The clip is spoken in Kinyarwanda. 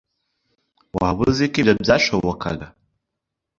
Waba uzi uko ibyo byashobokaga?